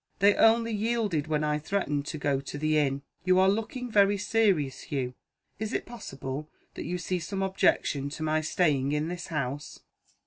They only yielded when I threatened to go to the inn. You are looking very serious, Hugh. Is it possible that you see some objection to my staying in this house?"